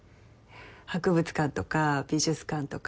博物館とか美術館とか。